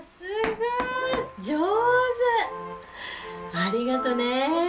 ありがとね。